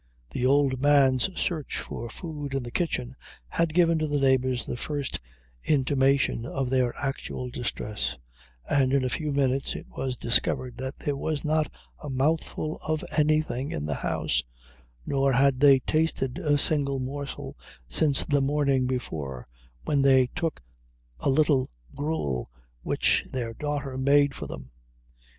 The old man's search for food in the kitchen had given to the neighbors the first intimation of their actual distress, and in a few minutes it was discovered that there was not a mouthful of anything in the house, nor had they tasted a single morsel since the morning before, when they took a little gruel which their daughter made for them.